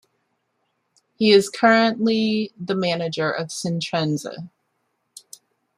He currently is the manager of Sintrense.